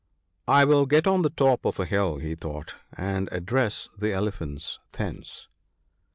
I will get on the top of a hill/ he thought, ' and address the Elephants thence.'